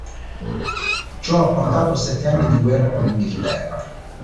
Ciò ha portato a sette anni di guerra con l'Inghilterra.